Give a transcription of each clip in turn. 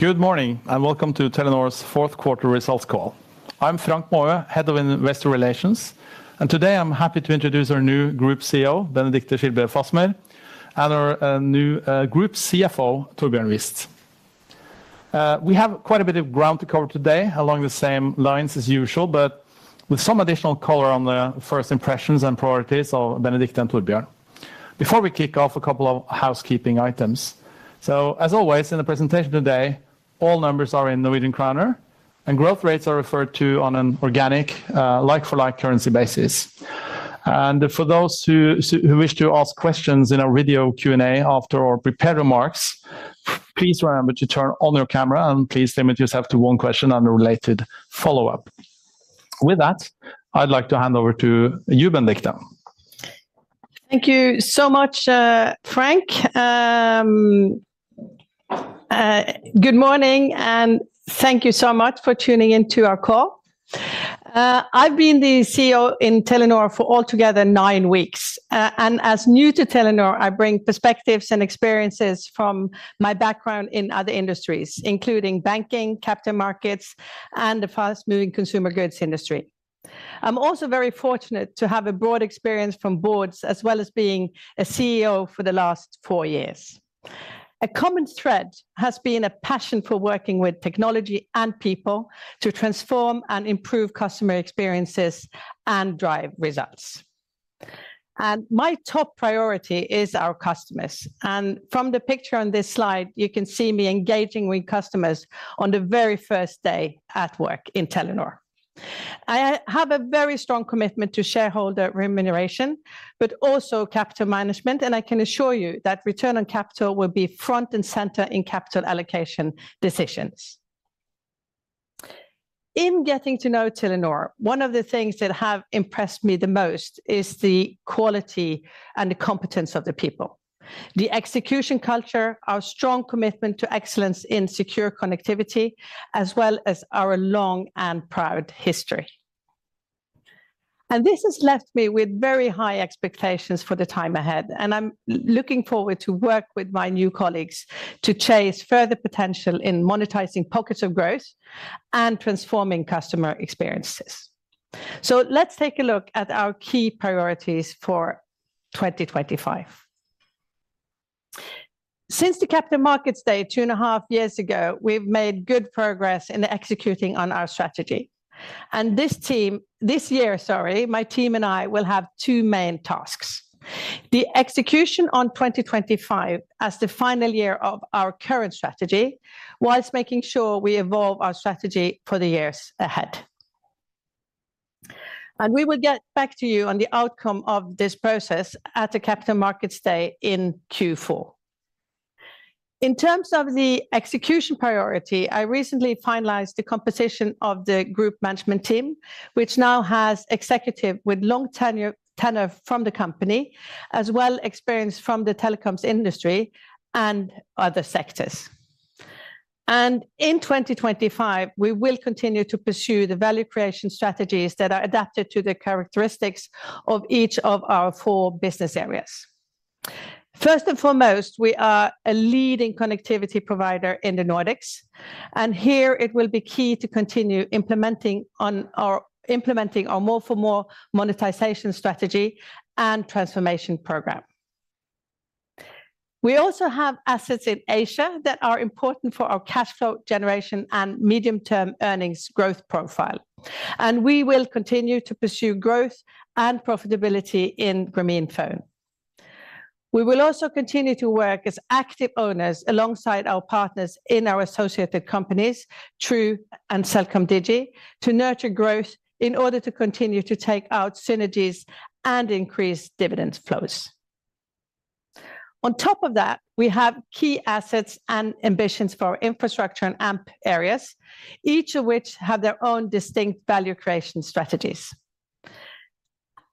Good morning, and welcome to Telenor's fourth quarter results call. I'm Frank Maaø, Head of Investor Relations, and today I'm happy to introduce our new Group CEO, Benedicte Fasmer; and our new Group CFO, Torbjørn Wist. We have quite a bit of ground to cover today along the same lines as usual, but with some additional color on the first impressions and priorities of Benedicte and Torbjørn. Before we kick off, a couple of housekeeping items. So, as always in the presentation today, all numbers are in Norwegian kroner, and growth rates are referred to on an organic, like-for-like currency basis. And for those who wish to ask questions in our video Q&A after our prepared remarks, please remember to turn on your camera and please limit yourself to one question and a related follow-up. With that, I'd like to hand over to you, Benedicte. Thank you so much, Frank. Good morning, and thank you so much for tuning in to our call. I've been the CEO in Telenor for altogether nine weeks, and as new to Telenor, I bring perspectives and experiences from my background in other industries, including banking, capital markets, and the fast-moving consumer goods industry. I'm also very fortunate to have a broad experience from boards, as well as being a CEO for the last four years. A common thread has been a passion for working with technology and people to transform and improve customer experiences and drive results. My top priority is our customers. From the picture on this slide, you can see me engaging with customers on the very first day at work in Telenor. I have a very strong commitment to shareholder remuneration, but also capital management, and I can assure you that return on capital will be front and center in capital allocation decisions. In getting to know Telenor, one of the things that have impressed me the most is the quality and the competence of the people, the execution culture, our strong commitment to excellence in secure connectivity, as well as our long and proud history. And this has left me with very high expectations for the time ahead, and I'm looking forward to work with my new colleagues to chase further potential in monetizing pockets of growth and transforming customer experiences. So let's take a look at our key priorities for 2025. Since the Capital Markets Day two and a half years ago, we've made good progress in executing on our strategy. This team, this year, sorry, my team and I will have two main tasks: the execution on 2025 as the final year of our current strategy, while making sure we evolve our strategy for the years ahead. We will get back to you on the outcome of this process at the Capital Markets Day in Q4. In terms of the execution priority, I recently finalized the composition of the Group Management Team, which now has executives with long tenure from the company, as well as experience from the telecoms industry and other sectors. In 2025, we will continue to pursue the value creation strategies that are adapted to the characteristics of each of our four business areas. First and foremost, we are a leading connectivity provider in the Nordics, and here it will be key to continue implementing our more-for-more monetization strategy and transformation program. We also have assets in Asia that are important for our cash flow generation and medium-term earnings growth profile, and we will continue to pursue growth and profitability in Grameenphone. We will also continue to work as active owners alongside our partners in our associated companies, True and CelcomDigi, to nurture growth in order to continue to take out synergies and increase dividend flows. On top of that, we have key assets and ambitions for our infrastructure and Amp areas, each of which have their own distinct value creation strategies.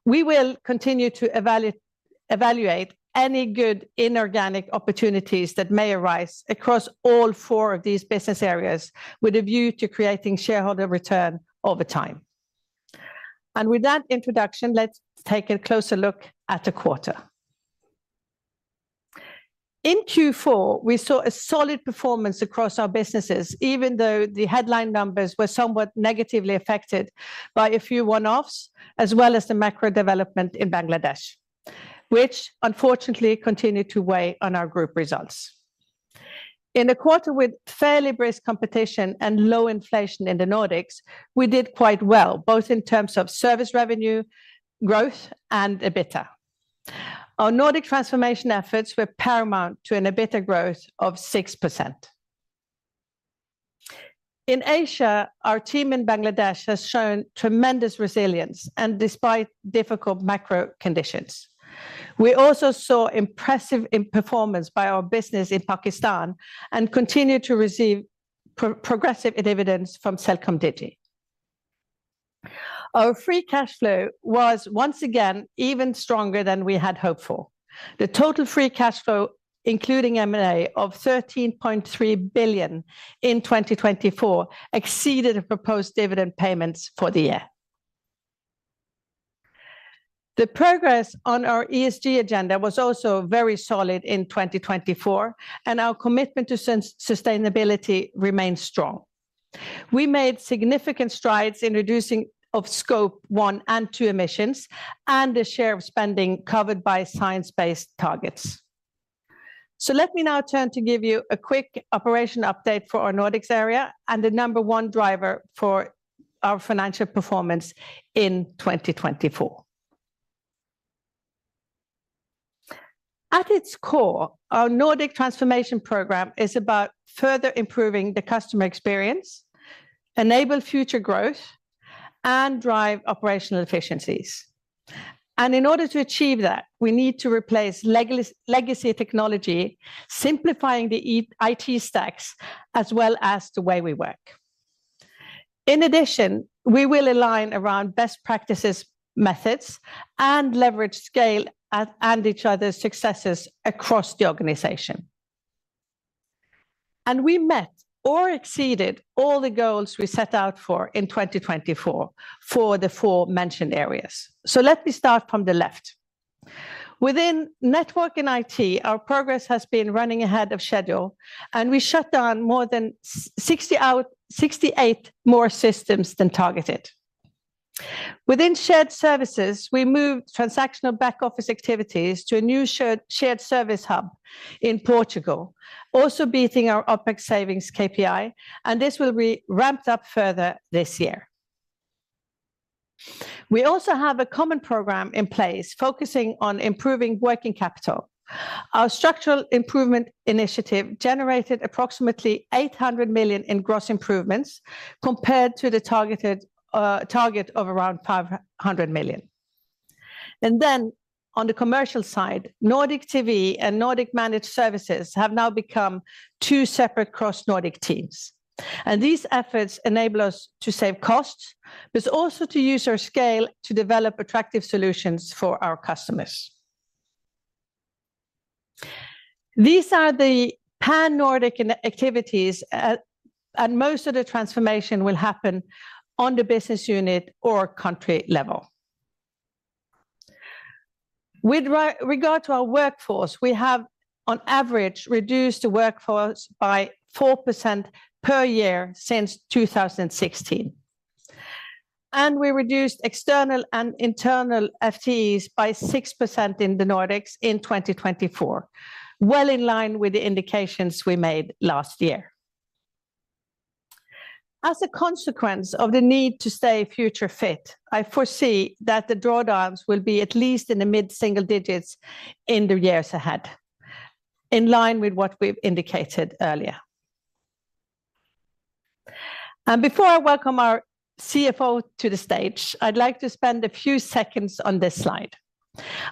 We will continue to evaluate any good inorganic opportunities that may arise across all four of these business areas, with a view to creating shareholder return over time. And with that introduction, let's take a closer look at the quarter. In Q4, we saw a solid performance across our businesses, even though the headline numbers were somewhat negatively affected by a few one-offs, as well as the macro development in Bangladesh, which unfortunately continued to weigh on our group results. In a quarter with fairly brisk competition and low inflation in the Nordics, we did quite well, both in terms of service revenue, growth, and EBITDA. Our Nordic transformation efforts were paramount to an EBITDA growth of 6%. In Asia, our team in Bangladesh has shown tremendous resilience, and despite difficult macro conditions, we also saw impressive performance by our business in Pakistan and continue to receive progressive dividends from CelcomDigi. Our free cash flow was once again even stronger than we had hoped for. The total free cash flow, including M&A, of 13.3 billion in 2024 exceeded the proposed dividend payments for the year. The progress on our ESG agenda was also very solid in 2024, and our commitment to sustainability remained strong. We made significant strides in reducing Scope 1 and 2 emissions and the share of spending covered by Science Based Targets, so let me now turn to give you a quick operation update for our Nordics area and the number one driver for our financial performance in 2024. At its core, our Nordic transformation program is about further improving the customer experience, enabling future growth, and driving operational efficiencies, and in order to achieve that, we need to replace legacy technology, simplifying the IT stacks, as well as the way we work. In addition, we will align around best practices methods and leverage scale and each other's successes across the organization, and we met or exceeded all the goals we set out for in 2024 for the four mentioned areas. Let me start from the left. Within network and IT, our progress has been running ahead of schedule, and we shut down more than 68 more systems than targeted. Within shared services, we moved transactional back-office activities to a new shared service hub in Portugal, also beating our OpEx savings KPI, and this will be ramped up further this year. We also have a common program in place focusing on improving working capital. Our structural improvement initiative generated approximately 800 million in gross improvements compared to the target of around 500 million. Then on the commercial side, Nordic TV and Nordic Managed Services have now become two separate cross-Nordic teams. These efforts enable us to save costs, but also to use our scale to develop attractive solutions for our customers. These are the pan-Nordic activities, and most of the transformation will happen on the business unit or country level. With regard to our workforce, we have on average reduced the workforce by 4% per year since 2016, and we reduced external and internal FTEs by 6% in the Nordics in 2024, well in line with the indications we made last year. As a consequence of the need to stay future-fit, I foresee that the drawdowns will be at least in the mid-single digits in the years ahead, in line with what we've indicated earlier, and before I welcome our CFO to the stage, I'd like to spend a few seconds on this slide.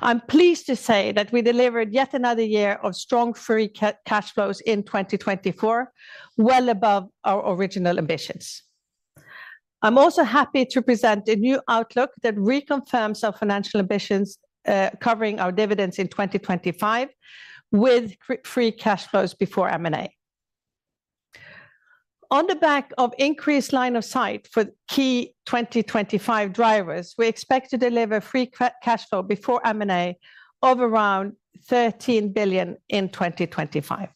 I'm pleased to say that we delivered yet another year of strong free cash flows in 2024, well above our original ambitions. I'm also happy to present a new outlook that reconfirms our financial ambitions covering our dividends in 2025 with free cash flows before M&A. On the back of increased line of sight for key 2025 drivers, we expect to deliver free cash flow before M&A of around 13 billion in 2025.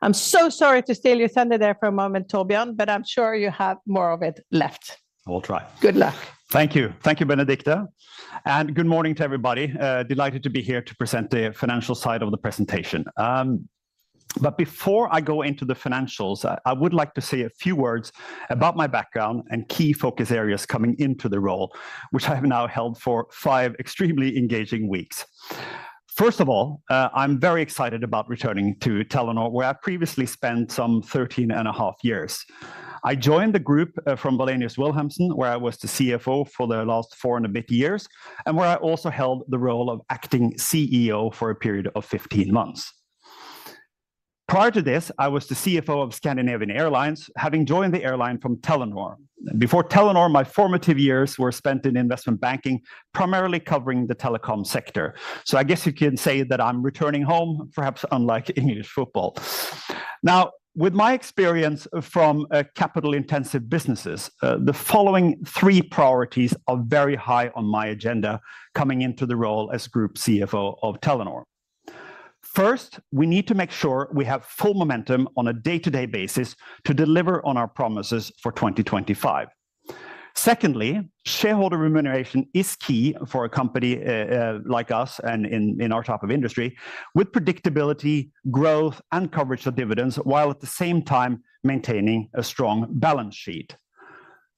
I'm so sorry to steal your thunder there for a moment, Torbjørn, but I'm sure you have more of it left. I will try. Good luck. Thank you. Thank you, Benedicte. And good morning to everybody. Delighted to be here to present the financial side of the presentation. But before I go into the financials, I would like to say a few words about my background and key focus areas coming into the role, which I have now held for five extremely engaging weeks. First of all, I'm very excited about returning to Telenor, where I previously spent some 13 and a half years. I joined the group from Wallenius Wilhelmsen, where I was the CFO for the last four and a bit years, and where I also held the role of acting CEO for a period of 15 months. Prior to this, I was the CFO of Scandinavian Airlines, having joined the airline from Telenor. Before Telenor, my formative years were spent in investment banking, primarily covering the telecom sector. I guess you can say that I'm returning home, perhaps unlike English football. Now, with my experience from capital-intensive businesses, the following three priorities are very high on my agenda coming into the role as Group CFO of Telenor. First, we need to make sure we have full momentum on a day-to-day basis to deliver on our promises for 2025. Secondly, shareholder remuneration is key for a company like us and in our type of industry, with predictability, growth, and coverage of dividends, while at the same time maintaining a strong balance sheet.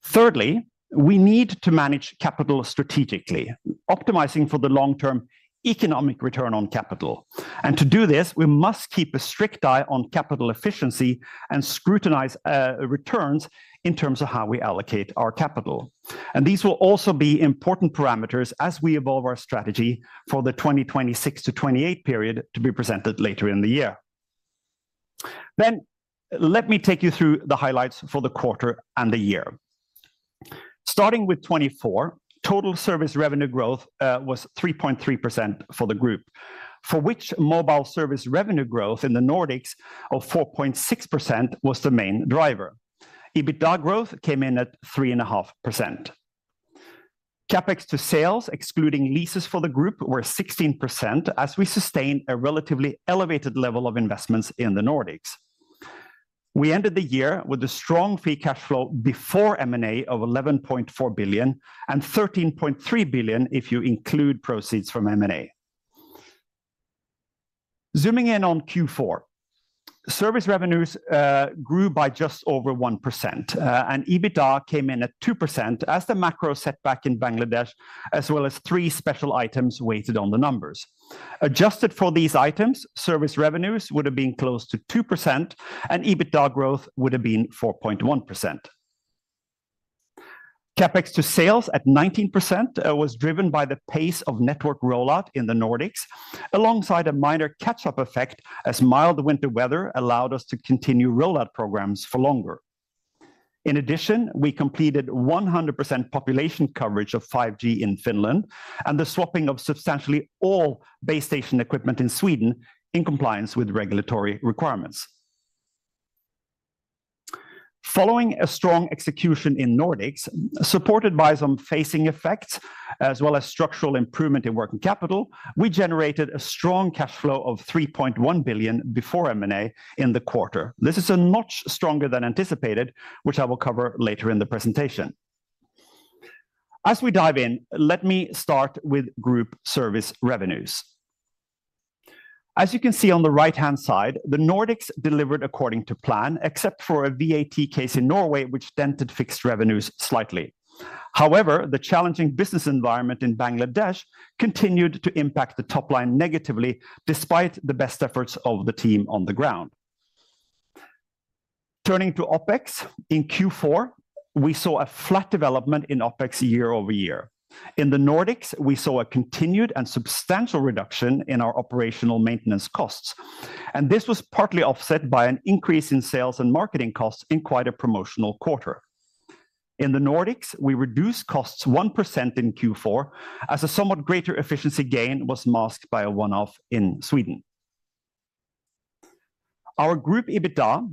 Thirdly, we need to manage capital strategically, optimizing for the long-term economic return on capital. To do this, we must keep a strict eye on capital efficiency and scrutinize returns in terms of how we allocate our capital. These will also be important parameters as we evolve our strategy for the 2026 to 2028 period to be presented later in the year. Then let me take you through the highlights for the quarter and the year. Starting with 2024, total service revenue growth was 3.3% for the group, for which mobile service revenue growth in the Nordics of 4.6% was the main driver. EBITDA growth came in at 3.5%. CapEx to sales, excluding leases for the group, were 16%, as we sustained a relatively elevated level of investments in the Nordics. We ended the year with a strong free cash flow before M&A of 11.4 billion and 13.3 billion if you include proceeds from M&A. Zooming in on Q4, service revenues grew by just over 1%, and EBITDA came in at 2% as the macro setback in Bangladesh, as well as three special items weighed on the numbers. Adjusted for these items, service revenues would have been close to 2%, and EBITDA growth would have been 4.1%. CapEx to sales at 19% was driven by the pace of network rollout in the Nordics, alongside a minor catch-up effect as mild winter weather allowed us to continue rollout programs for longer. In addition, we completed 100% population coverage of 5G in Finland and the swapping of substantially all base station equipment in Sweden in compliance with regulatory requirements. Following a strong execution in Nordics, supported by some phasing effects, as well as structural improvement in working capital, we generated a strong cash flow of 3.1 billion before M&A in the quarter. This is a notch stronger than anticipated, which I will cover later in the presentation. As we dive in, let me start with group service revenues. As you can see on the right-hand side, the Nordics delivered according to plan, except for a VAT case in Norway, which dented fixed revenues slightly. However, the challenging business environment in Bangladesh continued to impact the top line negatively, despite the best efforts of the team on the ground. Turning to OpEx, in Q4, we saw a flat development in OpEx year-over-year. In the Nordics, we saw a continued and substantial reduction in our operational maintenance costs, and this was partly offset by an increase in sales and marketing costs in quite a promotional quarter. In the Nordics, we reduced costs 1% in Q4, as a somewhat greater efficiency gain was masked by a one-off in Sweden. Our group EBITDA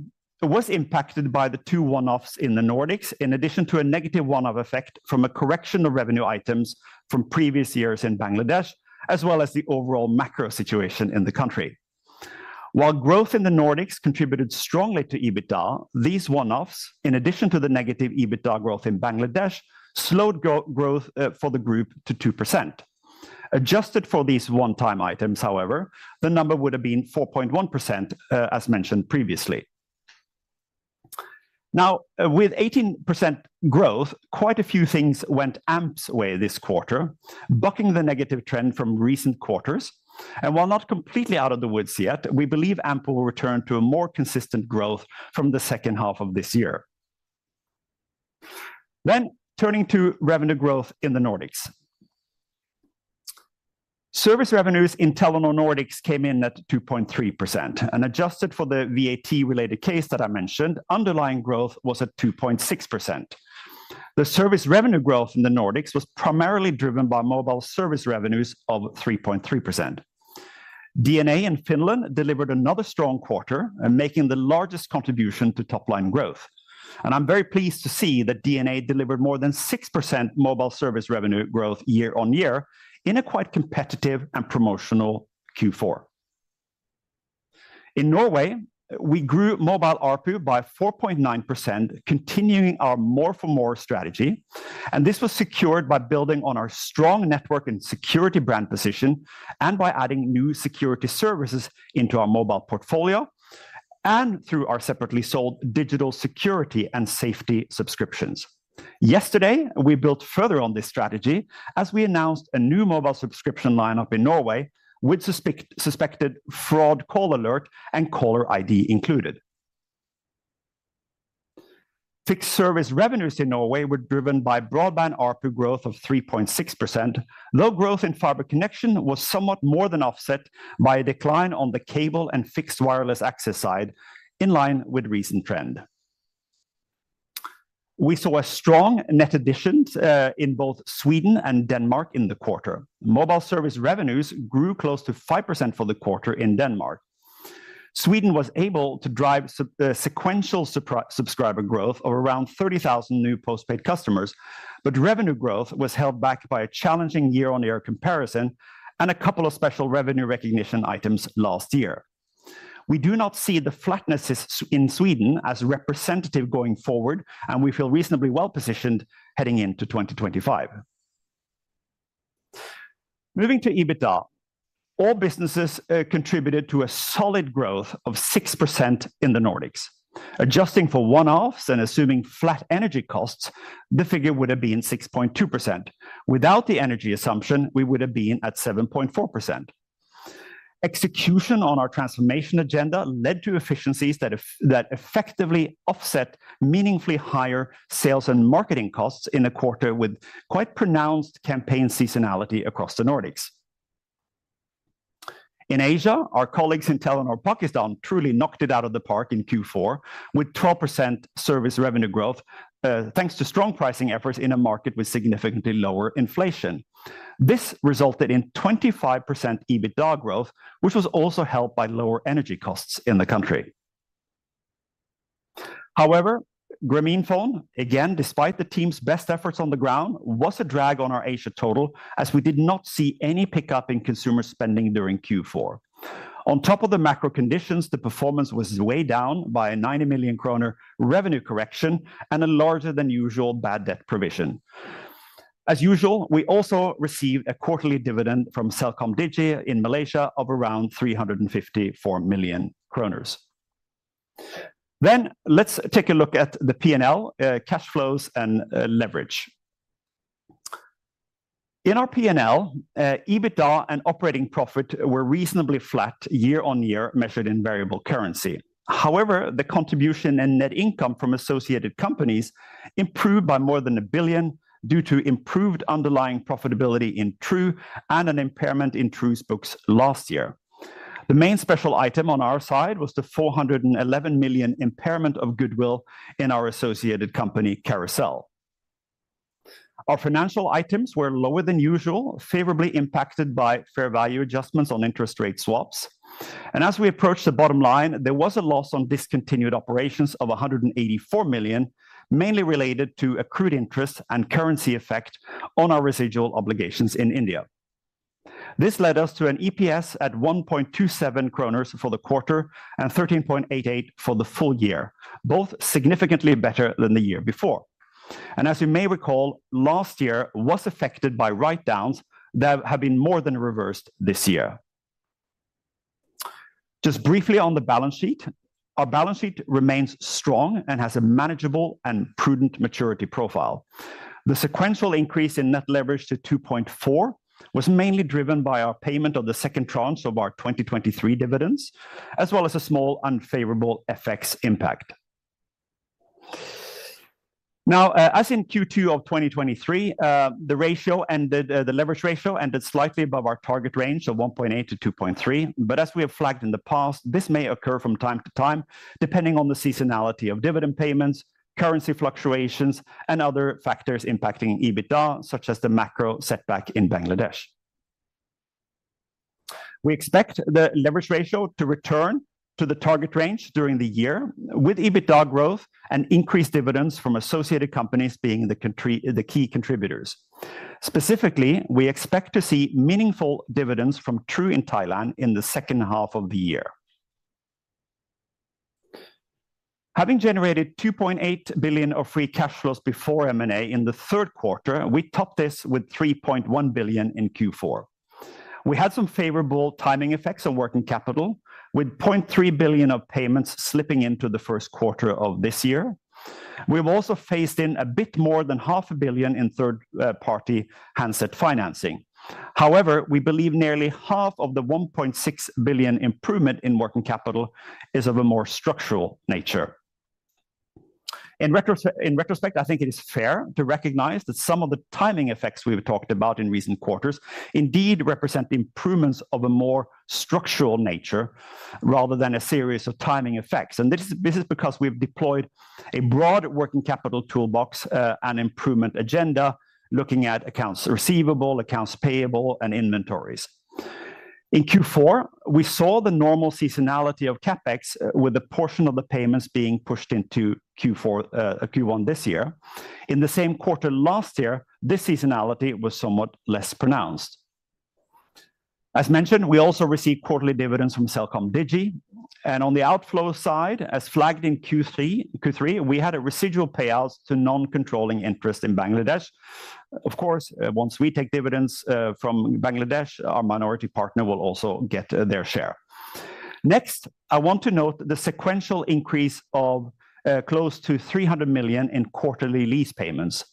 was impacted by the two one-offs in the Nordics, in addition to a negative one-off effect from a correction of revenue items from previous years in Bangladesh, as well as the overall macro situation in the country. While growth in the Nordics contributed strongly to EBITDA, these one-offs, in addition to the negative EBITDA growth in Bangladesh, slowed growth for the group to 2%. Adjusted for these one-time items, however, the number would have been 4.1%, as mentioned previously. Now, with 18% growth, quite a few things went Amp's way this quarter, bucking the negative trend from recent quarters. While not completely out of the woods yet, we believe Amp will return to a more consistent growth from the second half of this year. Turning to revenue growth in the Nordics. Service revenues in Telenor Nordics came in at 2.3%. And adjusted for the VAT-related case that I mentioned, underlying growth was at 2.6%. The service revenue growth in the Nordics was primarily driven by mobile service revenues of 3.3%. DNA in Finland delivered another strong quarter, making the largest contribution to top-line growth. And I'm very pleased to see that DNA delivered more than 6% mobile service revenue growth year on year in a quite competitive and promotional Q4. In Norway, we grew mobile ARPU by 4.9%, continuing our more-for-more strategy. And this was secured by building on our strong network and security brand position and by adding new security services into our mobile portfolio and through our separately sold digital security and safety subscriptions. Yesterday, we built further on this strategy as we announced a new mobile subscription lineup in Norway with suspected fraud call alert and caller ID included. Fixed service revenues in Norway were driven by broadband ARPU growth of 3.6%. Low growth in fiber connection was somewhat more than offset by a decline on the cable and fixed wireless access side, in line with recent trend. We saw a strong net addition in both Sweden and Denmark in the quarter. Mobile service revenues grew close to 5% for the quarter in Denmark. Sweden was able to drive sequential subscriber growth of around 30,000 new postpaid customers, but revenue growth was held back by a challenging year-on-year comparison and a couple of special revenue recognition items last year. We do not see the flatness in Sweden as representative going forward, and we feel reasonably well positioned heading into 2025. Moving to EBITDA, all businesses contributed to a solid growth of 6% in the Nordics. Adjusting for one-offs and assuming flat energy costs, the figure would have been 6.2%. Without the energy assumption, we would have been at 7.4%. Execution on our transformation agenda led to efficiencies that effectively offset meaningfully higher sales and marketing costs in the quarter with quite pronounced campaign seasonality across the Nordics. In Asia, our colleagues in Telenor Pakistan truly knocked it out of the park in Q4 with 12% service revenue growth, thanks to strong pricing efforts in a market with significantly lower inflation. This resulted in 25% EBITDA growth, which was also helped by lower energy costs in the country. However, Grameenphone, again, despite the team's best efforts on the ground, was a drag on our Asia total, as we did not see any pickup in consumer spending during Q4. On top of the macro conditions, the performance was way down by a 90 million kroner revenue correction and a larger-than-usual bad debt provision. As usual, we also received a quarterly dividend from CelcomDigi in Malaysia of around 354 million kroner. Then let's take a look at the P&L, cash flows and leverage. In our P&L, EBITDA and operating profit were reasonably flat year on year, measured in variable currency. However, the contribution and net income from associated companies improved by more than 1 billion due to improved underlying profitability in True and an impairment in True books last year. The main special item on our side was the 411 million impairment of goodwill in our associated company, Carousell. Our financial items were lower than usual, favorably impacted by fair value adjustments on interest rate swaps. And as we approached the bottom line, there was a loss on discontinued operations of 184 million, mainly related to accrued interest and currency effect on our residual obligations in India. This led us to an EPS at 1.27 kroner for the quarter and 13.88 for the full year, both significantly better than the year before. And as you may recall, last year was affected by write-downs that have been more than reversed this year. Just briefly on the balance sheet, our balance sheet remains strong and has a manageable and prudent maturity profile. The sequential increase in net leverage to 2.4 was mainly driven by our payment of the second tranche of our 2023 dividends, as well as a small unfavorable FX impact. Now, as in Q2 of 2023, the leverage ratio ended slightly above our target range of 1.8-2.3. But as we have flagged in the past, this may occur from time to time, depending on the seasonality of dividend payments, currency fluctuations, and other factors impacting EBITDA, such as the macro setback in Bangladesh. We expect the leverage ratio to return to the target range during the year, with EBITDA growth and increased dividends from associated companies being the key contributors. Specifically, we expect to see meaningful dividends from True in Thailand in the second half of the year. Having generated 2.8 billion of free cash flows before M&A in the third quarter, we topped this with 3.1 billion in Q4. We had some favorable timing effects on working capital, with 0.3 billion of payments slipping into the first quarter of this year. We have also phased in a bit more than 0.5 billion in third-party handset financing. However, we believe nearly half of the 1.6 billion improvement in working capital is of a more structural nature. In retrospect, I think it is fair to recognize that some of the timing effects we've talked about in recent quarters indeed represent improvements of a more structural nature rather than a series of timing effects, and this is because we've deployed a broad working capital toolbox and improvement agenda, looking at accounts receivable, accounts payable, and inventories. In Q4, we saw the normal seasonality of CapEx, with a portion of the payments being pushed into Q1 this year. In the same quarter last year, this seasonality was somewhat less pronounced. As mentioned, we also received quarterly dividends from CelcomDigi, and on the outflow side, as flagged in Q3, we had a residual payout to non-controlling interest in Bangladesh. Of course, once we take dividends from Bangladesh, our minority partner will also get their share. Next, I want to note the sequential increase of close to 300 million in quarterly lease payments.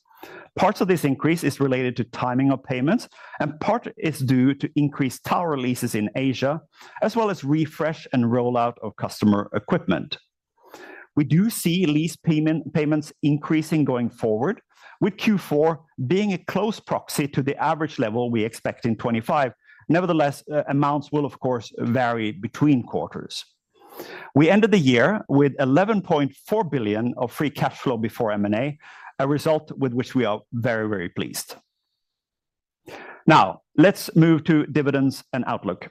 Parts of this increase are related to timing of payments, and part is due to increased tower leases in Asia, as well as refresh and rollout of customer equipment. We do see lease payments increasing going forward, with Q4 being a close proxy to the average level we expect in 2025. Nevertheless, amounts will, of course, vary between quarters. We ended the year with 11.4 billion of free cash flow before M&A, a result with which we are very, very pleased. Now, let's move to dividends and outlook.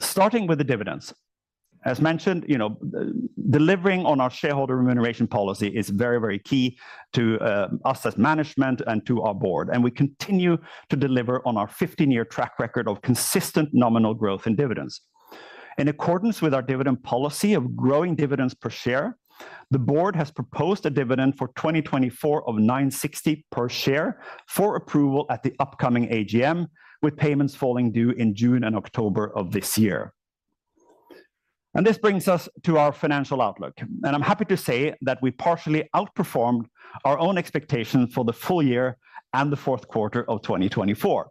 Starting with the dividends. As mentioned, delivering on our shareholder remuneration policy is very, very key to us as management and to our board. And we continue to deliver on our 15-year track record of consistent nominal growth in dividends. In accordance with our dividend policy of growing dividends per share, the board has proposed a dividend for 2024 of 9.60 per share for approval at the upcoming AGM, with payments falling due in June and October of this year. This brings us to our financial outlook. I'm happy to say that we partially outperformed our own expectations for the full year and the fourth quarter of 2024.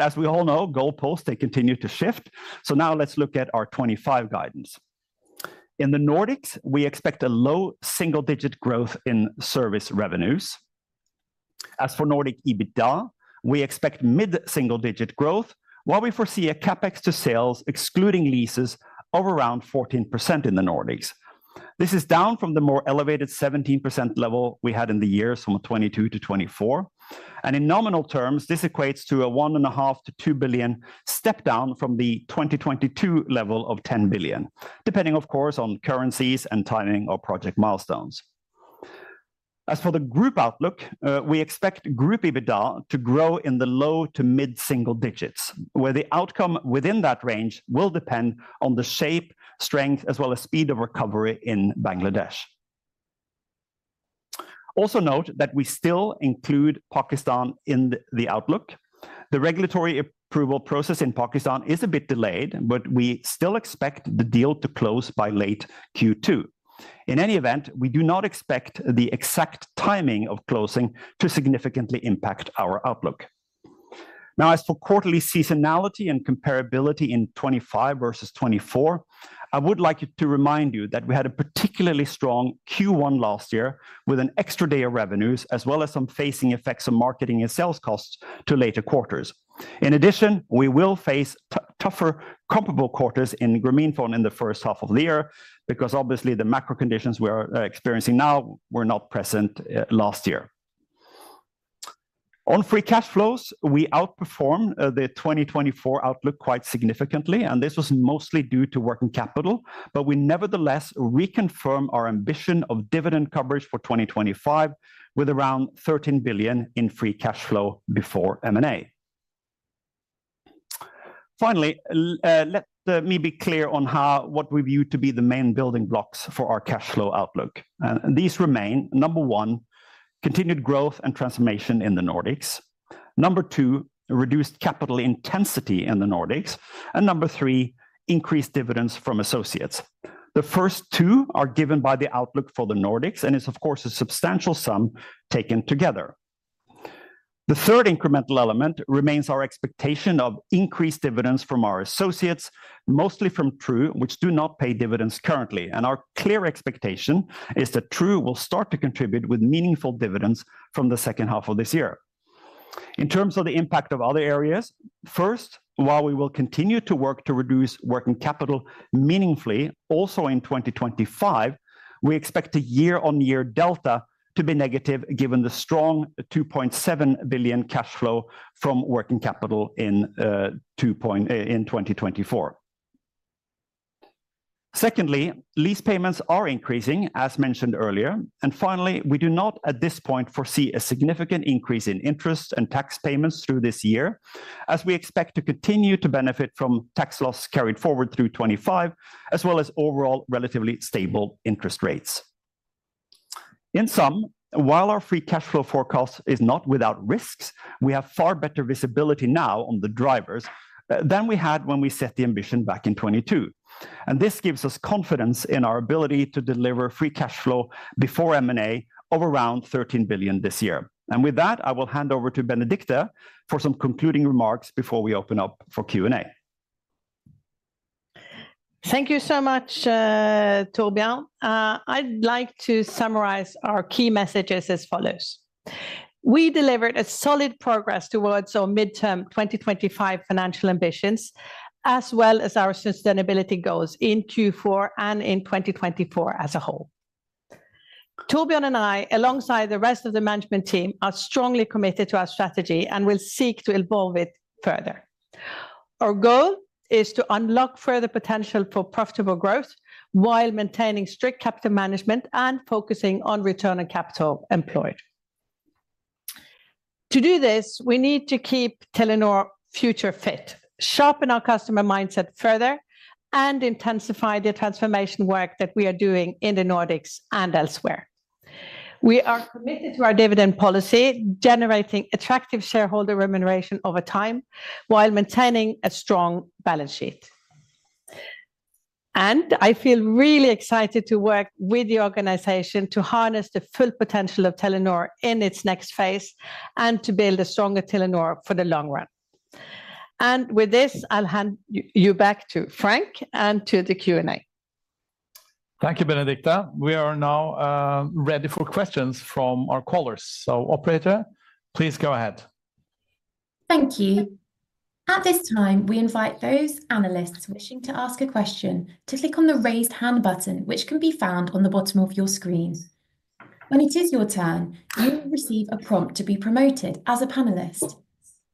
As we all know, goalposts continue to shift. Now let's look at our 2025 guidance. In the Nordics, we expect a low single-digit growth in service revenues. As for Nordic EBITDA, we expect mid-single-digit growth, while we foresee a CapEx to sales, excluding leases, of around 14% in the Nordics. This is down from the more elevated 17% level we had in the years from 2022 to 2024. And in nominal terms, this equates to a 1.5 billion-2 billion step down from the 2022 level of 10 billion, depending, of course, on currencies and timing of project milestones. As for the group outlook, we expect group EBITDA to grow in the low to mid-single digits, where the outcome within that range will depend on the shape, strength, as well as speed of recovery in Bangladesh. Also note that we still include Pakistan in the outlook. The regulatory approval process in Pakistan is a bit delayed, but we still expect the deal to close by late Q2. In any event, we do not expect the exact timing of closing to significantly impact our outlook. Now, as for quarterly seasonality and comparability in 2025 versus 2024, I would like to remind you that we had a particularly strong Q1 last year with an extra day of revenues, as well as some facing effects of marketing and sales costs to later quarters. In addition, we will face tougher comparable quarters in Grameenphone in the first half of the year because, obviously, the macro conditions we are experiencing now were not present last year. On free cash flows, we outperformed the 2024 outlook quite significantly, and this was mostly due to working capital, but we nevertheless reconfirm our ambition of dividend coverage for 2025 with around 13 billion in free cash flow before M&A. Finally, let me be clear on what we view to be the main building blocks for our cash flow outlook, and these remain, number one, continued growth and transformation in the Nordics. Number two, reduced capital intensity in the Nordics, and number three, increased dividends from associates. The first two are given by the outlook for the Nordics, and it's, of course, a substantial sum taken together. The third incremental element remains our expectation of increased dividends from our associates, mostly from True, which do not pay dividends currently, and our clear expectation is that True will start to contribute with meaningful dividends from the second half of this year. In terms of the impact of other areas, first, while we will continue to work to reduce working capital meaningfully, also in 2025, we expect a year-on-year delta to be negative given the strong 2.7 billion cash flow from working capital in 2024. Secondly, lease payments are increasing, as mentioned earlier. Finally, we do not at this point foresee a significant increase in interest and tax payments through this year, as we expect to continue to benefit from tax loss carried forward through 2025, as well as overall relatively stable interest rates. In sum, while our free cash flow forecast is not without risks, we have far better visibility now on the drivers than we had when we set the ambition back in 2022. And this gives us confidence in our ability to deliver free cash flow before M&A of around 13 billion this year. And with that, I will hand over to Benedicte for some concluding remarks before we open up for Q&A. Thank you so much, Torbjørn. I'd like to summarize our key messages as follows. We delivered solid progress towards our midterm 2025 financial ambitions, as well as our sustainability goals in Q4 and in 2024 as a whole. Torbjørn and I, alongside the rest of the management team, are strongly committed to our strategy and will seek to evolve it further. Our goal is to unlock further potential for profitable growth while maintaining strict capital management and focusing on return on capital employed. To do this, we need to keep Telenor future-fit, sharpen our customer mindset further, and intensify the transformation work that we are doing in the Nordics and elsewhere. We are committed to our dividend policy, generating attractive shareholder remuneration over time while maintaining a strong balance sheet, and I feel really excited to work with the organization to harness the full potential of Telenor in its next phase and to build a stronger Telenor for the long run. And with this, I'll hand you back to Frank and to the Q&A. Thank you, Benedicte. We are now ready for questions from our callers. So, operator, please go ahead. Thank you. At this time, we invite those analysts wishing to ask a question to click on the raised hand button, which can be found on the bottom of your screen. When it is your turn, you will receive a prompt to be promoted as a panelist.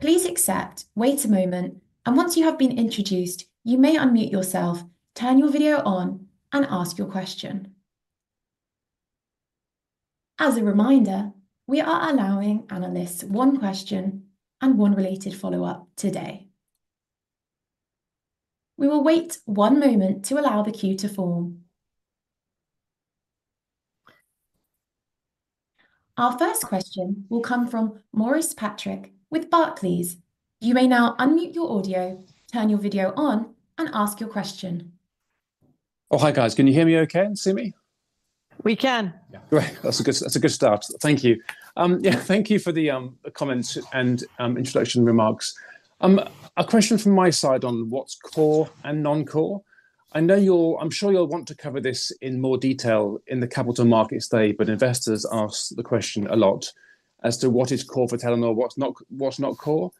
Please accept, wait a moment, and once you have been introduced, you may unmute yourself, turn your video on, and ask your question. As a reminder, we are allowing analysts one question and one related follow-up today. We will wait one moment to allow the queue to form. Our first question will come from Maurice Patrick with Barclays. You may now unmute your audio, turn your video on, and ask your question. Oh, hi guys. Can you hear me okay and see me? We can. Yeah, great. That's a good start. Thank you. Yeah, thank you for the comments and introduction remarks. A question from my side on what's core and non-core. I know you'll, I'm sure you'll want to cover this in more detail in the Capital Markets Day, but investors ask the question a lot as to what is core for Telenor, what's not core.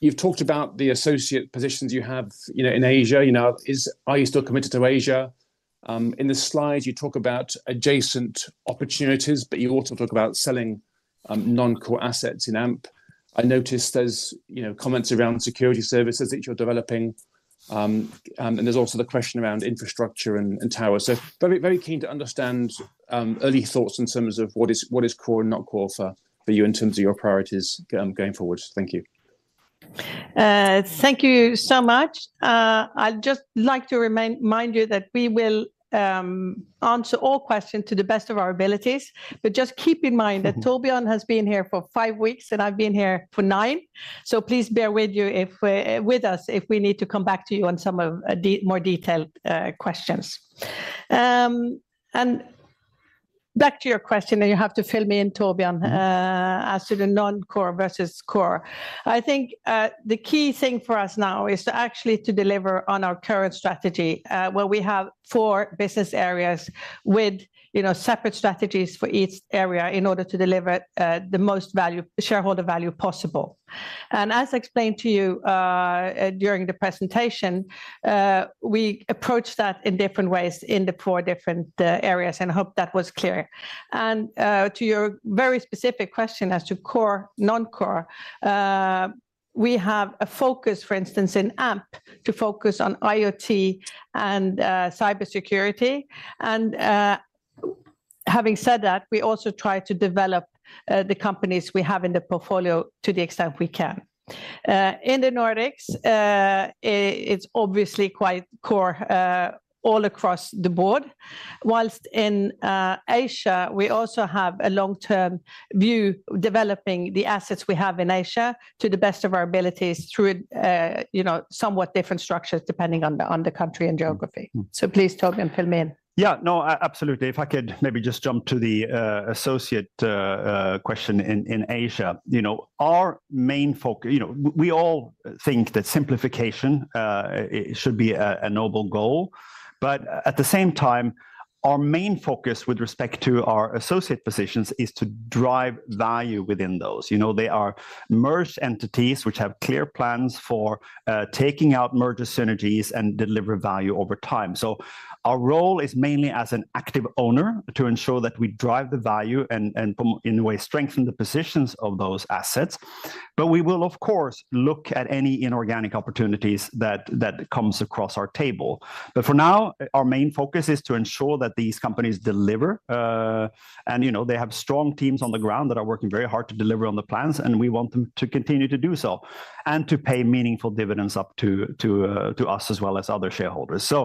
You've talked about the associate positions you have in Asia. Are you still committed to Asia? In the slides, you talk about adjacent opportunities, but you also talk about selling non-core assets in Amp. I noticed there's comments around security services that you're developing. And there's also the question around infrastructure and tower. So, very keen to understand early thoughts in terms of what is core and not core for you in terms of your priorities going forward. Thank you. Thank you so much. I'd just like to remind you that we will answer all questions to the best of our abilities. But just keep in mind that Torbjørn has been here for five weeks, and I've been here for nine. So please bear with us if we need to come back to you on some of the more detailed questions. And back to your question, and you have to fill me in, Torbjørn, as to the non-core versus core. I think the key thing for us now is to actually deliver on our current strategy, where we have four business areas with separate strategies for each area in order to deliver the most shareholder value possible. And as I explained to you during the presentation, we approach that in different ways in the four different areas, and I hope that was clear. And to your very specific question as to core, non-core, we have a focus, for instance, in Amp to focus on IoT and Cybersecurity. And having said that, we also try to develop the companies we have in the portfolio to the extent we can. In the Nordics, it's obviously quite core all across the board. While in Asia, we also have a long-term view of developing the assets we have in Asia to the best of our abilities through somewhat different structures depending on the country and geography. So please, Torbjørn, fill me in. Yeah, no, absolutely. If I could maybe just jump to the associate question in Asia. Our main focus, we all think that simplification should be a noble goal. But at the same time, our main focus with respect to our associate positions is to drive value within those. They are merged entities which have clear plans for taking out mergers, synergies, and deliver value over time. So our role is mainly as an active owner to ensure that we drive the value and, in a way, strengthen the positions of those assets. But we will, of course, look at any inorganic opportunities that come across our table. But for now, our main focus is to ensure that these companies deliver. And they have strong teams on the ground that are working very hard to deliver on the plans, and we want them to continue to do so and to pay meaningful dividends up to us as well as other shareholders. So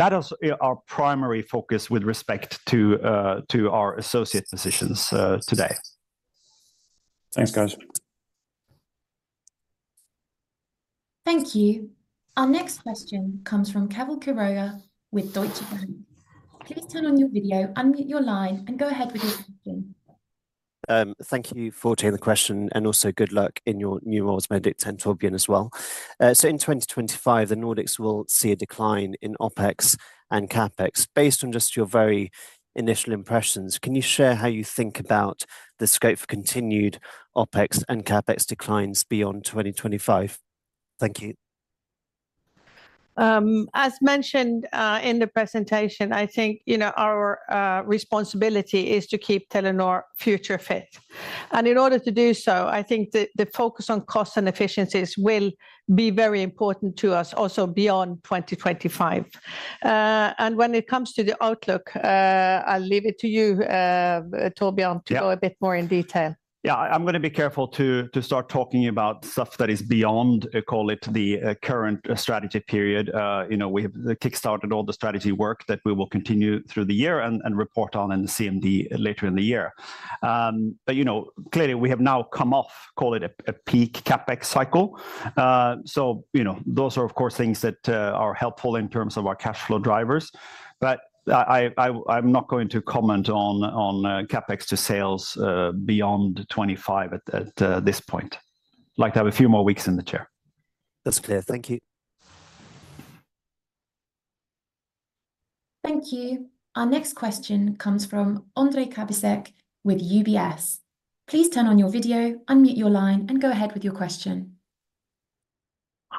that is our primary focus with respect to our associate positions today. Thanks, guys. Thank you. Our next question comes from Keval Khiroya with Deutsche Bank. Please turn on your video, unmute your line, and go ahead with your question. Thank you for taking the question, and also good luck in your new roles, Benedicte and Torbjørn as well. So in 2025, the Nordics will see a decline in OpEx and CapEx. Based on just your very initial impressions, can you share how you think about the scope for continued OpEx and CapEx declines beyond 2025? Thank you. As mentioned in the presentation, I think our responsibility is to keep Telenor future-fit. And in order to do so, I think that the focus on costs and efficiencies will be very important to us also beyond 2025. And when it comes to the outlook, I'll leave it to you, Torbjørn, to go a bit more in detail. Yeah, I'm going to be careful to start talking about stuff that is beyond, call it the current strategy period. We have kickstarted all the strategy work that we will continue through the year and report on in the CMD later in the year. But clearly, we have now come off, call it a peak CapEx cycle. So those are, of course, things that are helpful in terms of our cash flow drivers. But I'm not going to comment on CapEx to sales beyond 25 at this point. I'd like to have a few more weeks in the chair. That's clear. Thank you. Thank you. Our next question comes from Ondrej Cabejsek with UBS. Please turn on your video, unmute your line, and go ahead with your question.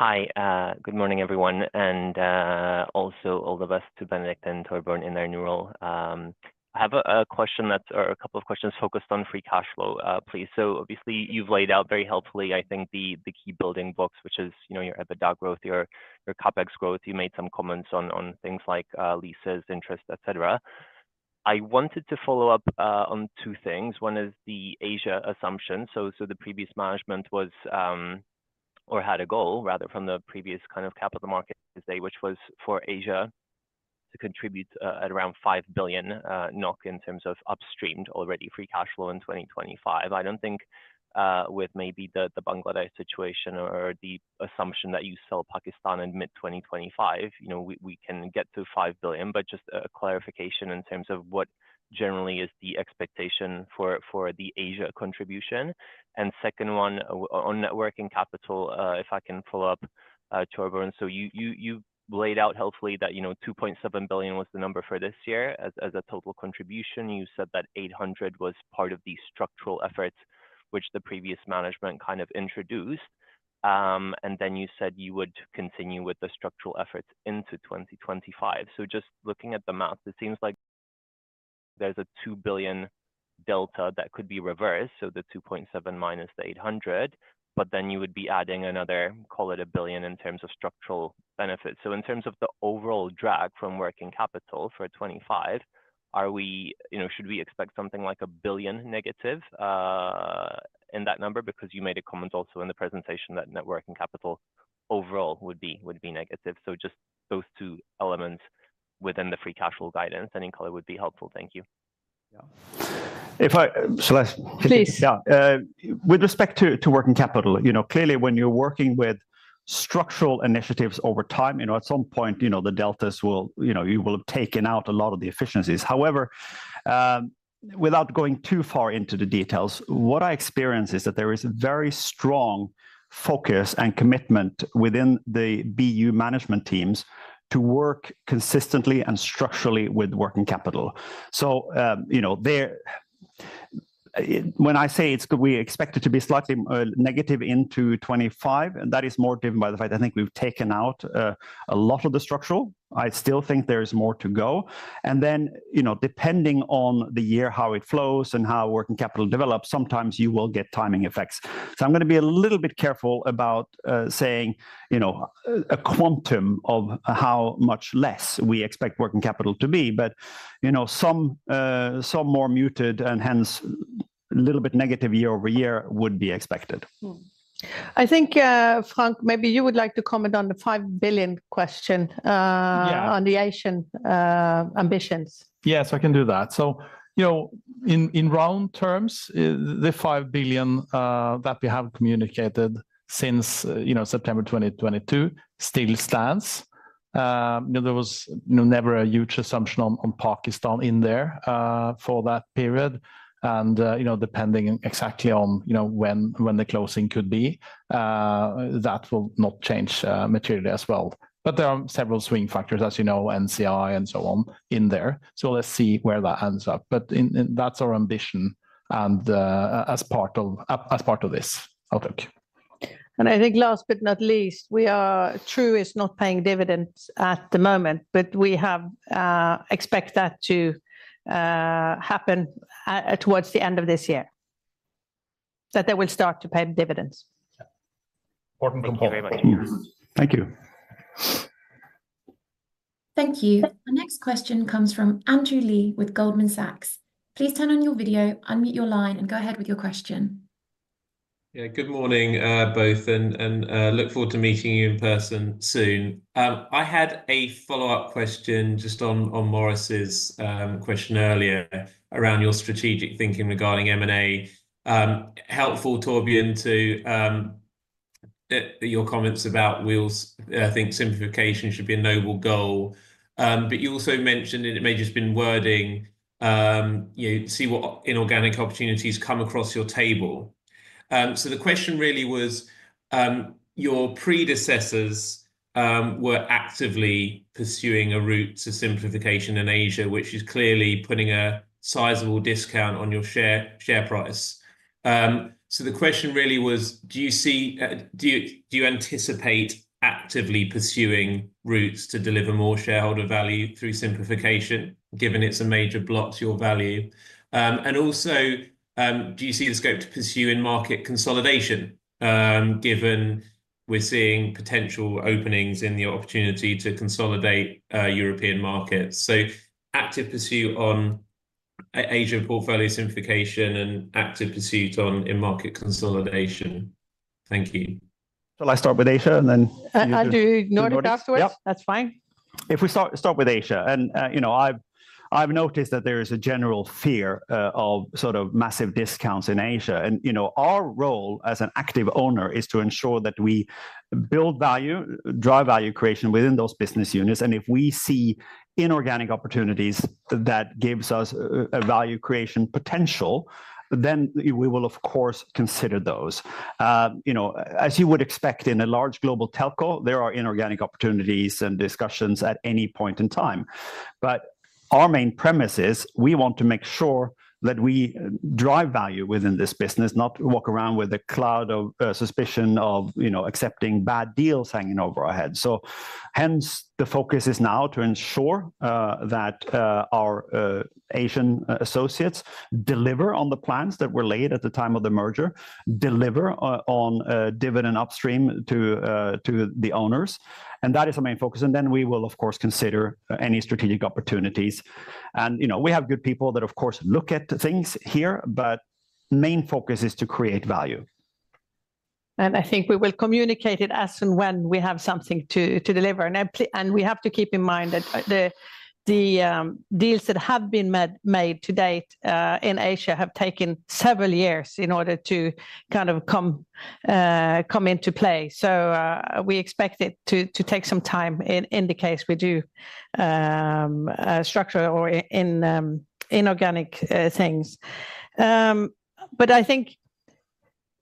Hi, good morning, everyone, and also all the best to Benedicte and Torbjørn in their new role. I have a question that, or a couple of questions focused on free cash flow, please. So obviously, you've laid out very helpfully, I think, the key building blocks, which is your EBITDA growth, your CapEx growth. You made some comments on things like leases, interest, etc. I wanted to follow up on two things. One is the Asia assumption. So the previous management was, or had a goal, rather, from the previous kind of capital markets day, which was for Asia to contribute at around 5 billion NOK, not in terms of upstreamed already free cash flow in 2025. I don't think with maybe the Bangladesh situation or the assumption that you sell Pakistan in mid-2025, we can get to 5 billion. But just a clarification in terms of what generally is the expectation for the Asia contribution. And second one, on working capital, if I can follow up, Torbjørn. So, you laid out helpfully that 2.7 billion was the number for this year as a total contribution. You said that 800 million was part of the structural effort which the previous management kind of introduced. And then you said you would continue with the structural efforts into 2025. So, just looking at the math, it seems like there's a 2 billion delta that could be reversed, so the 2.7 minus the 800. But then you would be adding another, call it a 1 billion in terms of structural benefits. So, in terms of the overall drag from working capital for 2025, should we expect something like a billion negative in that number? Because you made a comment also in the presentation that net working capital overall would be negative. So, just those two elements within the free cash flow guidance and any color would be helpful. Thank you. Yeah. If I. So, let's. Please. Yeah. With respect to working capital, clearly, when you're working with structural initiatives over time, at some point, the deltas will, you will have taken out a lot of the efficiencies. However, without going too far into the details, what I experience is that there is a very strong focus and commitment within the BU management teams to work consistently and structurally with working capital. So when I say it's good, we expect it to be slightly negative into 2025, and that is more driven by the fact I think we've taken out a lot of the structural. I still think there's more to go. And then depending on the year, how it flows and how working capital develops, sometimes you will get timing effects. So I'm going to be a little bit careful about saying a quantum of how much less we expect working capital to be. But some more muted and hence a little bit negative year-over-year would be expected. I think, Frank, maybe you would like to comment on the 5 billion question on the Asian ambitions. Yes, I can do that. So in round terms, the 5 billion that we have communicated since September 2022 still stands. There was never a huge assumption on Pakistan in there for that period. And depending exactly on when the closing could be, that will not change materially as well. But there are several swing factors, as you know, NCI and so on in there. So let's see where that ends up. But that's our ambition as part of this outlook. And I think last but not least, True is not paying dividends at the moment, but we expect that to happen towards the end of this year, that they will start to pay dividends. Yeah. Important component. Thank you. Thank you. Our next question comes from Andrew Lee with Goldman Sachs. Please turn on your video, unmute your line, and go ahead with your question. Yeah, good morning, both, and look forward to meeting you in person soon. I had a follow-up question just on Maurice's question earlier around your strategic thinking regarding M&A. Helpful, Torbjørn, to your comments about, I think, simplification should be a noble goal. But you also mentioned it may just be wording, see what inorganic opportunities come across your table. So the question really was, your predecessors were actively pursuing a route to simplification in Asia, which is clearly putting a sizable discount on your share price. So the question really was, do you anticipate actively pursuing routes to deliver more shareholder value through simplification, given it's a major block to your value? And also, do you see the scope to pursue in market consolidation, given we're seeing potential openings in the opportunity to consolidate European markets? So active pursuit on Asia portfolio simplification and active pursuit in market consolidation. Thank you. Shall I start with Asia and then? I'll do Nordic afterwards. Yeah, that's fine. If we start with Asia, and I've noticed that there is a general fear of sort of massive discounts in Asia. And our role as an active owner is to ensure that we build value, drive value creation within those business units. And if we see inorganic opportunities that give us a value creation potential, then we will, of course, consider those. As you would expect, in a large global telco, there are inorganic opportunities and discussions at any point in time. Our main premise is we want to make sure that we drive value within this business, not walk around with a cloud of suspicion of accepting bad deals hanging over our heads. Hence, the focus is now to ensure that our Asian associates deliver on the plans that were laid at the time of the merger, deliver on dividend upstream to the owners. That is our main focus. We will, of course, consider any strategic opportunities. We have good people that, of course, look at things here, but the main focus is to create value. I think we will communicate it as and when we have something to deliver. We have to keep in mind that the deals that have been made to date in Asia have taken several years in order to kind of come into play. So, we expect it to take some time in the case we do structural or inorganic things. But I think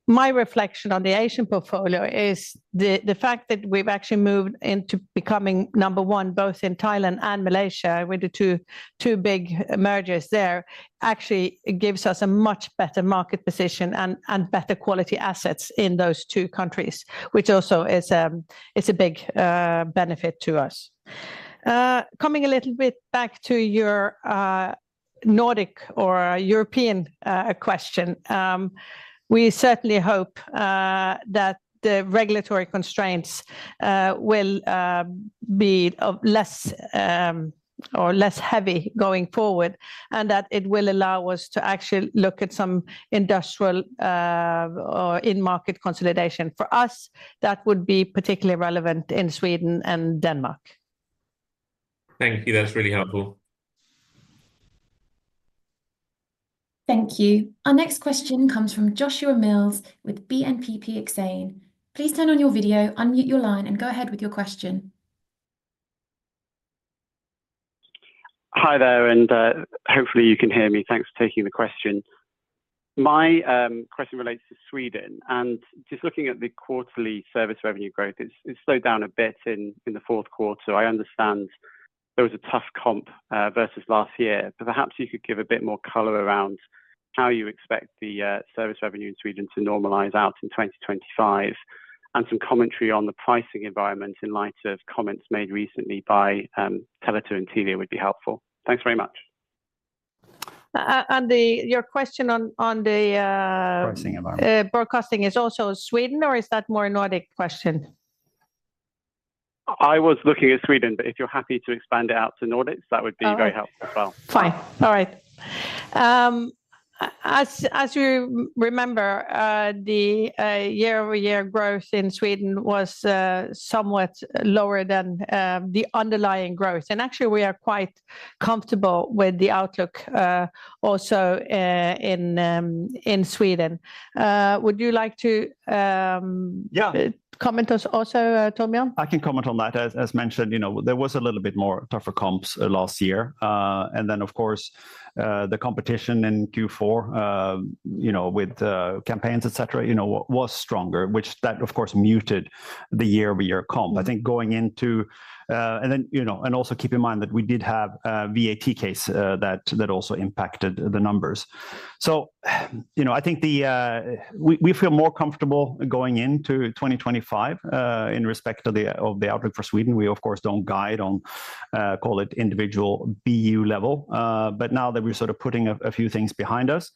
my reflection on the Asian portfolio is the fact that we've actually moved into becoming number one, both in Thailand and Malaysia, with the two big mergers there, actually gives us a much better market position and better quality assets in those two countries, which also is a big benefit to us. Coming a little bit back to your Nordic or European question, we certainly hope that the regulatory constraints will be less or less heavy going forward and that it will allow us to actually look at some industrial or in-market consolidation. For us, that would be particularly relevant in Sweden and Denmark. Thank you. That's really helpful. Thank you. Our next question comes from Joshua Mills with BNP Paribas Exane. Please turn on your video, unmute your line, and go ahead with your question. Hi there, and hopefully, you can hear me. Thanks for taking the question. My question relates to Sweden. And just looking at the quarterly service revenue growth, it's slowed down a bit in the fourth quarter. I understand there was a tough comp versus last year. But perhaps you could give a bit more color around how you expect the service revenue in Sweden to normalize out in 2025. And some commentary on the pricing environment in light of comments made recently by Tele2 and Telia would be helpful. Thanks very much. And your question on the. Pricing environment. The question is also Sweden, or is that more a Nordic question? I was looking at Sweden, but if you're happy to expand it out to Nordics, that would be very helpful as well. Fine. All right. As you remember, the year-over-year growth in Sweden was somewhat lower than the underlying growth, and actually, we are quite comfortable with the outlook also in Sweden. Would you like to comment also, Torbjørn? I can comment on that. As mentioned, there was a little bit more tougher comps last year, and then, of course, the competition in Q4 with campaigns, etc., was stronger, which, of course, muted the year-over-year comp. I think going into and then also keep in mind that we did have a VAT case that also impacted the numbers, so I think we feel more comfortable going into 2025 in respect of the outlook for Sweden. We, of course, don't guide on, call it individual BU level, but now that we're sort of putting a few things behind us,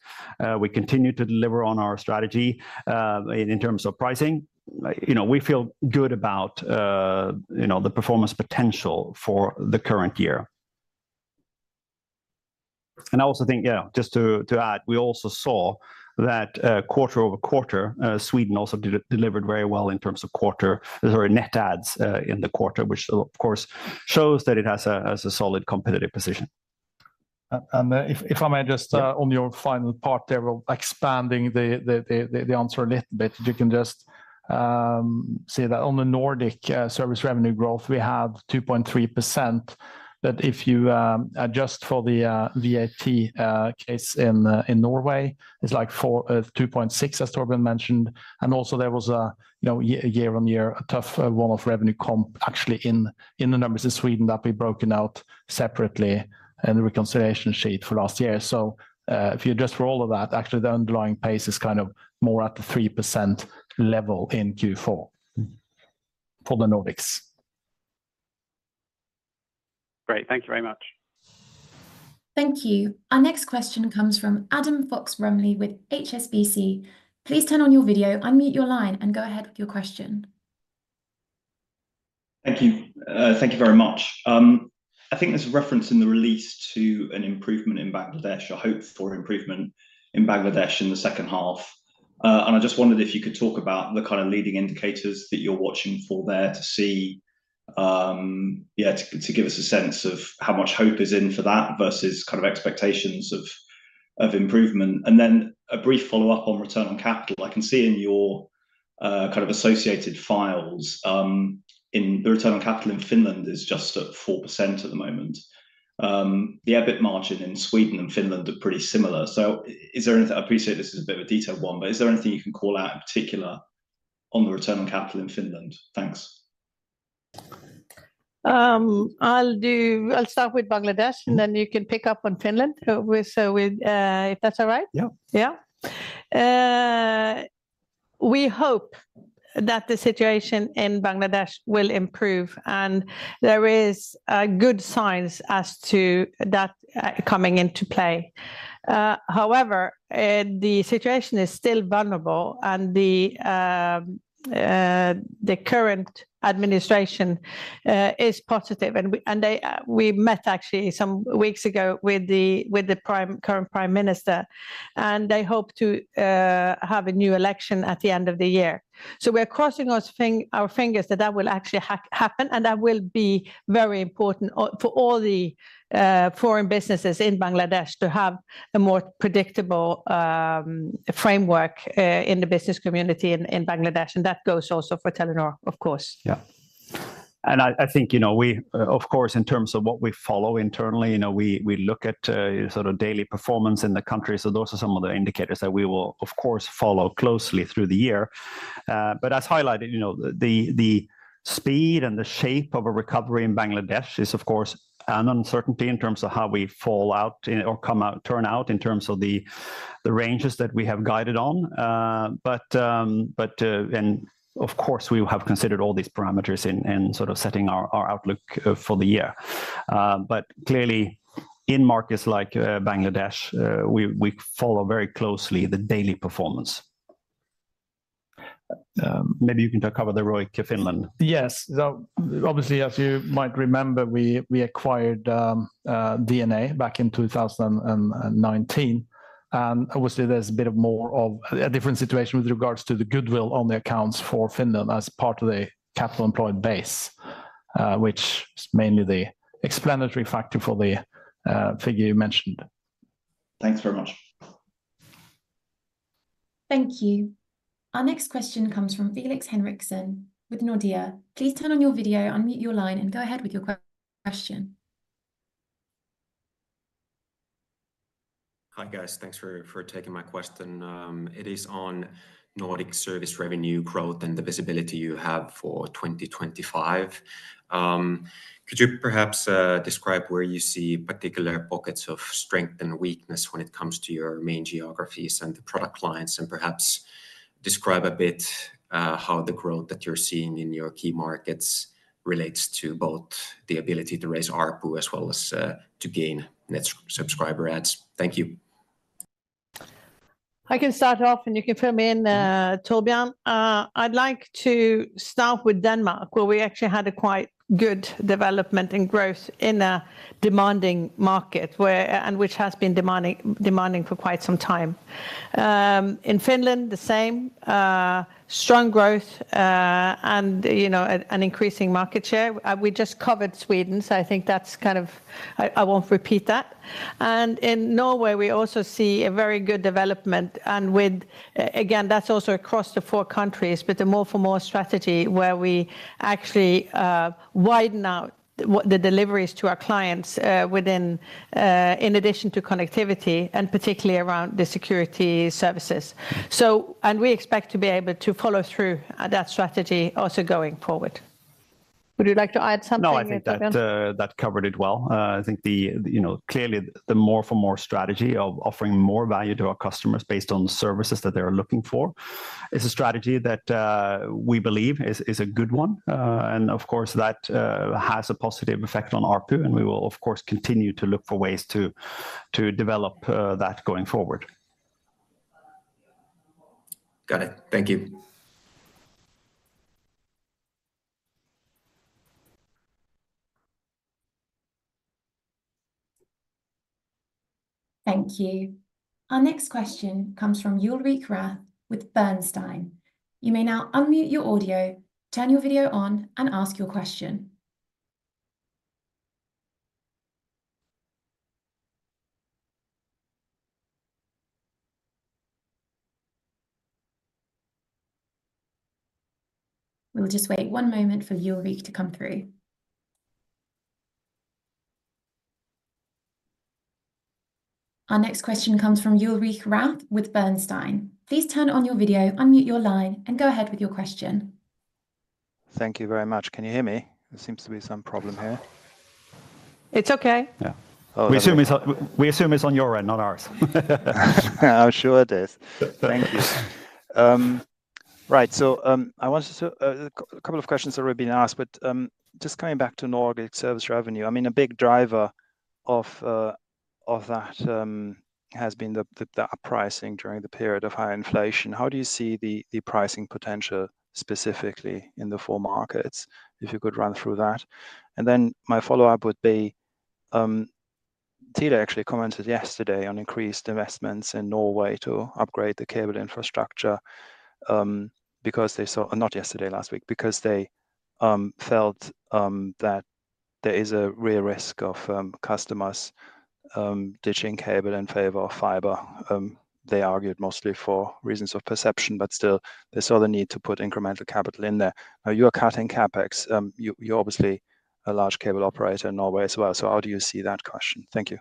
we continue to deliver on our strategy in terms of pricing. We feel good about the performance potential for the current year. And I also think, yeah, just to add, we also saw that quarter over quarter, Sweden also delivered very well in terms of quarterly net adds in the quarter, which, of course, shows that it has a solid competitive position. And if I may just on your final part there, expanding the answer a little bit, you can just say that on the Nordic service revenue growth, we have 2.3%. But if you adjust for the VAT case in Norway, it's like 2.6%, as Torbjørn mentioned. And also, there was a year-on-year tough one-off revenue comp actually in the numbers in Sweden that we broke out separately in the reconciliation sheet for last year. So if you adjust for all of that, actually, the underlying pace is kind of more at the 3% level in Q4 for the Nordics. Great. Thank you very much. Thank you. Our next question comes from Adam Fox-Rumley with HSBC. Please turn on your video, unmute your line, and go ahead with your question. Thank you very much. I think there's a reference in the release to an improvement in Bangladesh, a hope for improvement in Bangladesh in the second half. And I just wondered if you could talk about the kind of leading indicators that you're watching for there to see, yeah, to give us a sense of how much hope is in for that versus kind of expectations of improvement. And then a brief follow-up on return on capital. I can see in your kind of associated files, the return on capital in Finland is just at 4% at the moment. The EBITDA margin in Sweden and Finland are pretty similar. So is there anything? I appreciate this is a bit of a detailed one, but is there anything you can call out in particular on the return on capital in Finland? Thanks. I'll start with Bangladesh, and then you can pick up on Finland if that's all right. Yeah. Yeah. We hope that the situation in Bangladesh will improve, and there are good signs as to that coming into play. However, the situation is still vulnerable, and the current administration is positive, and we met actually some weeks ago with the current Prime Minister, and they hope to have a new election at the end of the year. We're crossing our fingers that that will actually happen, and that will be very important for all the foreign businesses in Bangladesh to have a more predictable framework in the business community in Bangladesh. And that goes also for Telenor, of course. Yeah. And I think we, of course, in terms of what we follow internally, we look at sort of daily performance in the country. So those are some of the indicators that we will, of course, follow closely through the year. But as highlighted, the speed and the shape of a recovery in Bangladesh is, of course, an uncertainty in terms of how we fall out or turn out in terms of the ranges that we have guided on. But, of course, we have considered all these parameters in sort of setting our outlook for the year. But clearly, in markets like Bangladesh, we follow very closely the daily performance. Maybe you can cover the ROIC Finland. Yes. Obviously, as you might remember, we acquired DNA back in 2019. And obviously, there's a bit more of a different situation with regards to the goodwill on the accounts for Finland as part of the capital employed base, which is mainly the explanatory factor for the figure you mentioned. Thanks very much. Thank you. Our next question comes from Felix Henriksson with Nordea. Please turn on your video, unmute your line, and go ahead with your question. Hi, guys. Thanks for taking my question. It is on Nordic service revenue growth and the visibility you have for 2025. Could you perhaps describe where you see particular pockets of strength and weakness when it comes to your main geographies and the product lines, and perhaps describe a bit how the growth that you're seeing in your key markets relates to both the ability to raise ARPU as well as to gain net subscriber adds? Thank you. I can start off, and you can fill me in, Torbjørn. I'd like to start with Denmark, where we actually had a quite good development and growth in a demanding market, which has been demanding for quite some time. In Finland, the same, strong growth and an increasing market share. We just covered Sweden, so I think that's kind of. I won't repeat that. In Norway, we also see a very good development. And again, that's also across the four countries, but the More for More strategy where we actually widen out the deliveries to our clients in addition to connectivity, and particularly around the security services. And we expect to be able to follow through that strategy also going forward. Would you like to add something? No, I think that covered it well. I think clearly, the More for More strategy of offering more value to our customers based on the services that they're looking for is a strategy that we believe is a good one. And of course, that has a positive effect on ARPU, and we will, of course, continue to look for ways to develop that going forward. Got it. Thank you. Thank you. Our next question comes from Ulrich Rathe with Bernstein. You may now unmute your audio, turn your video on, and ask your question. We'll just wait one moment for Ulrich to come through. Our next question comes from Ulrich Rathe with Bernstein. Please turn on your video, unmute your line, and go ahead with your question. Thank you very much. Can you hear me? There seems to be some problem here. It's okay. Yeah. We assume it's on your end, not ours. I'm sure it is. Thank you. Right. So I wanted to ask a couple of questions that were being asked, but just coming back to Nordic service revenue. I mean, a big driver of that has been the up pricing during the period of high inflation. How do you see the pricing potential specifically in the four markets? If you could run through that. Then my follow-up would be Telia actually commented yesterday on increased investments in Norway to upgrade the cable infrastructure because they saw not yesterday, last week, because they felt that there is a real risk of customers ditching cable in favor of fiber. They argued mostly for reasons of perception, but still, they saw the need to put incremental capital in there. Now, you are cutting CapEx. You are obviously a large cable operator in Norway as well. So how do you see that question? Thank you.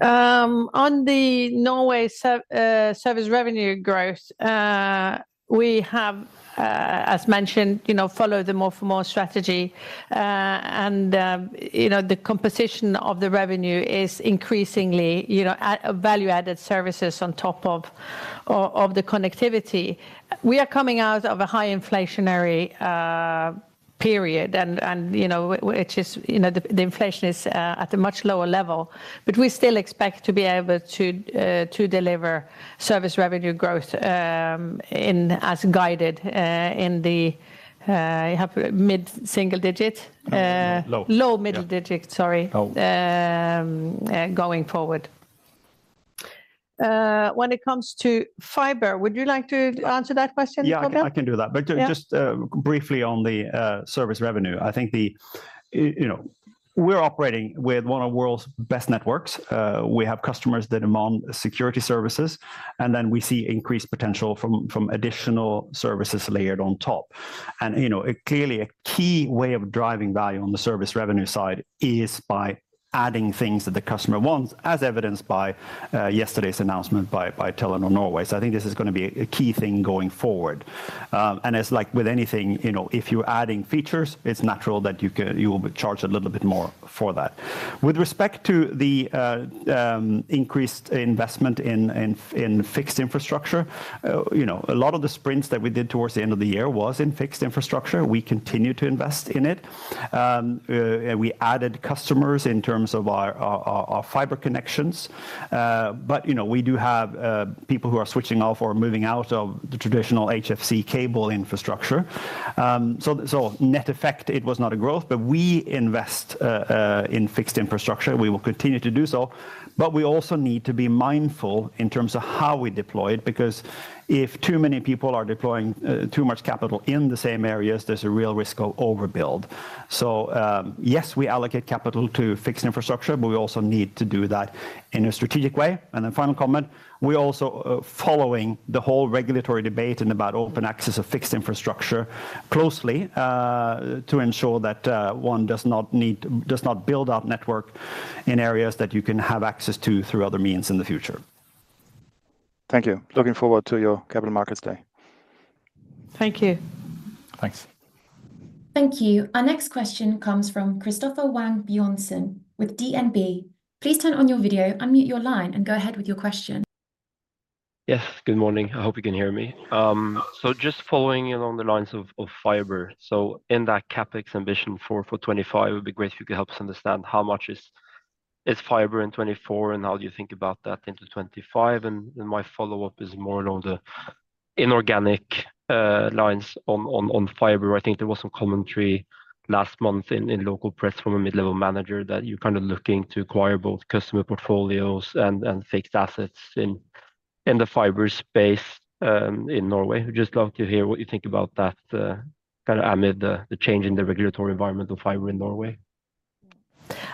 On the Norway service revenue growth, we have, as mentioned, followed the More for More strategy. The composition of the revenue is increasingly value-added services on top of the connectivity. We are coming out of a high inflationary period, which is, the inflation is at a much lower level. But we still expect to be able to deliver service revenue growth as guided in the mid-single digit. Low. Low middle digit, sorry, going forward. When it comes to fiber, would you like to answer that question, Torbjørn? Yeah, I can do that. But just briefly on the service revenue, I think we're operating with one of the world's best networks. We have customers that demand security services, and then we see increased potential from additional services layered on top. And clearly, a key way of driving value on the service revenue side is by adding things that the customer wants, as evidenced by yesterday's announcement by Telenor Norway. So I think this is going to be a key thing going forward. And it's like with anything, if you're adding features, it's natural that you will charge a little bit more for that. With respect to the increased investment in fixed infrastructure, a lot of the sprints that we did towards the end of the year was in fixed infrastructure. We continue to invest in it. We added customers in terms of our fiber connections. But we do have people who are switching off or moving out of the traditional HFC cable infrastructure. So net effect, it was not a growth, but we invest in fixed infrastructure. We will continue to do so. But we also need to be mindful in terms of how we deploy it because if too many people are deploying too much capital in the same areas, there's a real risk of overbuild. So yes, we allocate capital to fixed infrastructure, but we also need to do that in a strategic way. And then, final comment, we're also following the whole regulatory debate about open access of fixed infrastructure closely to ensure that one does not build out network in areas that you can have access to through other means in the future. Thank you. Looking forward to your Capital Markets Day. Thank you. Thanks. Thank you. Our next question comes from Christoffer Wang Bjørnsen with DNB Markets. Please turn on your video, unmute your line, and go ahead with your question. Yes, good morning. I hope you can hear me. So just following along the lines of fiber. So in that CapEx ambition for 2025, it would be great if you could help us understand how much is fiber in 2024 and how do you think about that into 2025. And my follow-up is more along the inorganic lines on fiber. I think there was some commentary last month in local press from a mid-level manager that you're kind of looking to acquire both customer portfolios and fixed assets in the fiber space in Norway. We'd just love to hear what you think about that, kind of, amid the change in the regulatory environment of fiber in Norway.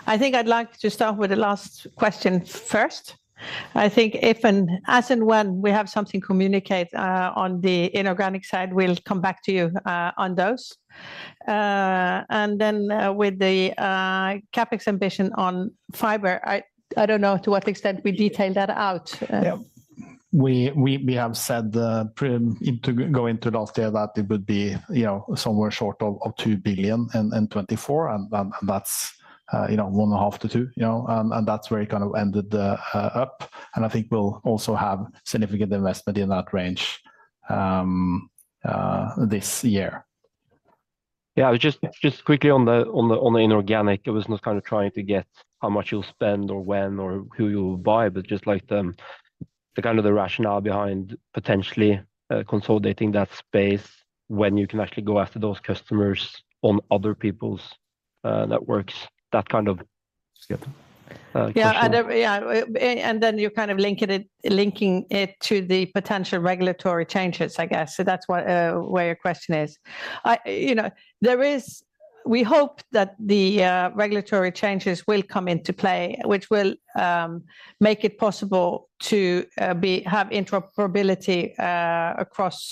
I think I'd like to start with the last question first. I think if and as and when we have something to communicate on the inorganic side, we'll come back to you on those. And then with the CapEx ambition on fiber, I don't know to what extent we detailed that out. Yeah. We have said going into last year that it would be somewhere short of 2 billion in 2024, and that's 1.5 billion-2 billion. And that's where it kind of ended up. And I think we'll also have significant investment in that range this year. Yeah, just quickly on the inorganic, I was not kind of trying to get how much you'll spend or when or who you'll buy, but just like the kind of rationale behind potentially consolidating that space when you can actually go after those customers on other people's networks, that kind of. Yeah, and then you're kind of linking it to the potential regulatory changes, I guess. So that's where your question is. We hope that the regulatory changes will come into play, which will make it possible to have interoperability across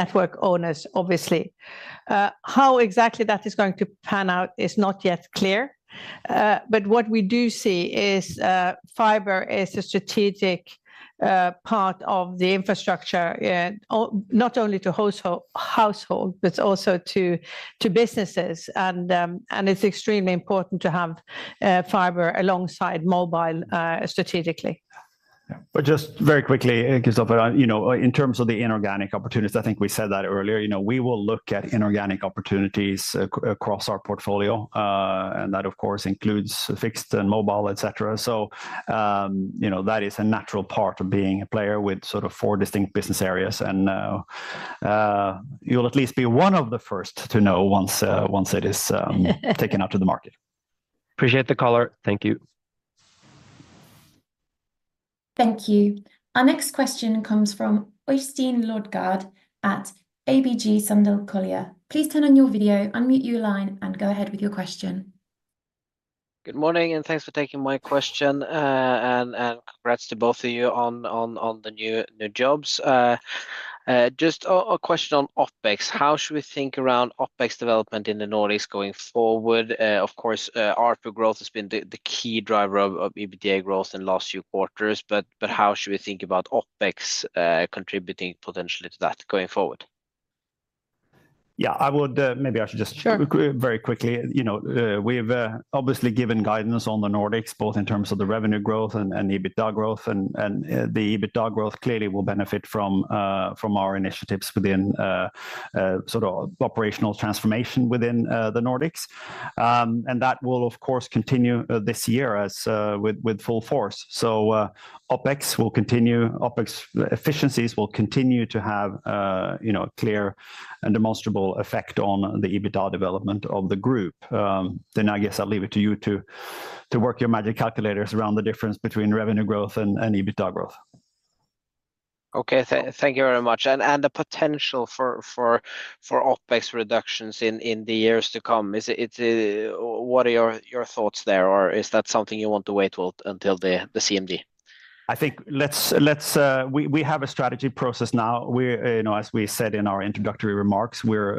network owners, obviously. How exactly that is going to pan out is not yet clear. But what we do see is fiber is a strategic part of the infrastructure, not only to households, but also to businesses. It's extremely important to have fiber alongside mobile strategically. Just very quickly, Christoffer, in terms of the inorganic opportunities, I think we said that earlier. We will look at inorganic opportunities across our portfolio. That, of course, includes fixed and mobile, etc. That is a natural part of being a player with sort of four distinct business areas. You'll at least be one of the first to know once it is taken out to the market. Appreciate the caller. Thank you. Thank you. Our next question comes from Øystein Lodgaard at ABG Sundal Collier. Please turn on your video, unmute your line, and go ahead with your question. Good morning, and thanks for taking my question. Congrats to both of you on the new jobs. Just a question on OpEx. How should we think around OpEx development in the Nordics going forward? Of course, ARPU growth has been the key driver of EBITDA growth in the last few quarters. But how should we think about OpEx contributing potentially to that going forward? Yeah, I would maybe I should just very quickly, we've obviously given guidance on the Nordics, both in terms of the revenue growth and EBITDA growth. And the EBITDA growth clearly will benefit from our initiatives within sort of operational transformation within the Nordics. And that will, of course, continue this year with full force. So OpEx will continue. OpEx efficiencies will continue to have a clear and demonstrable effect on the EBITDA development of the group. Then I guess I'll leave it to you to work your magic calculators around the difference between revenue growth and EBITDA growth. Okay, thank you very much. And the potential for OpEx reductions in the years to come, what are your thoughts there? Or is that something you want to wait until the CMD? I think we have a strategy process now. As we said in our introductory remarks, we're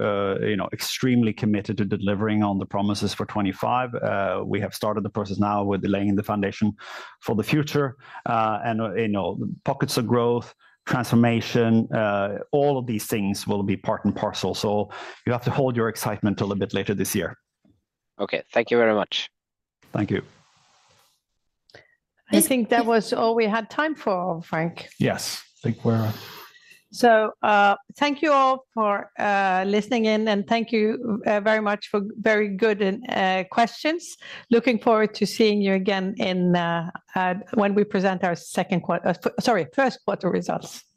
extremely committed to delivering on the promises for 2025. We have started the process now with laying the foundation for the future, and pockets of growth, transformation, all of these things will be part and parcel, so you have to hold your excitement till a bit later this year. Okay, thank you very much. Thank you. I think that was all we had time for, Frank. Yes, I think we're. So thank you all for listening in, and thank you very much for very good questions. Looking forward to seeing you again when we present our second quarter, sorry, first quarter results.